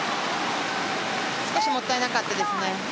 少しもったいなかったですね。